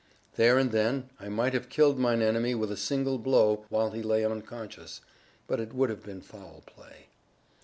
There and then I might have killed mine enemy with a single blow while he lay unconscious, but it would have been foul play.